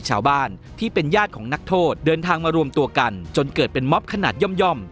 ชาวบ้านที่เป็นญาติของนักโทษเดินทางมารวมตัวกันจนเกิดเป็นม็อบขนาดย่อม